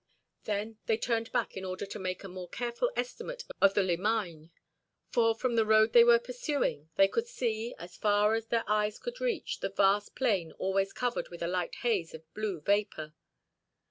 Then, they turned back in order to make a more careful estimate of the Limagne, for from the road they were pursuing they could see, as far as their eyes could reach, the vast plain always covered with a light haze of blue vapor.